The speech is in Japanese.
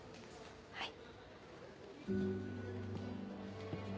はい。